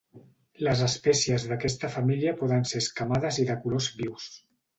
Les espècies d'aquesta família poden ser escamades i de colors vius.